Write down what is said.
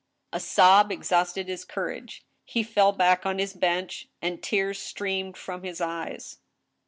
A sob exhausted his courage. He fell back on his bench, and tears streamed from his eyes.